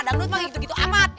dangdut wah gitu gitu amat